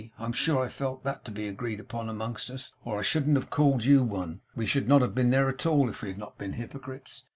I am sure I felt that to be agreed upon among us, or I shouldn't have called you one. We should not have been there at all, if we had not been hypocrites.